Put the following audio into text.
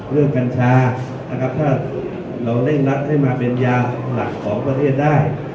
กัญชานะครับถ้าเราเร่งรัดให้มาเป็นยาหลักของประเทศได้